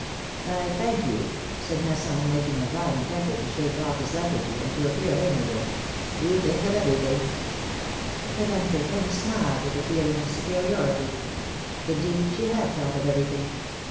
thank you," said Masson, making a violent effort to 196 philomI:ne's marriages. shake oflF his lethargy, and to appear amiable. ^^You think of everything.'^ Madame Crepin smiled with a feeling of superiority; indeed, she had thought of everything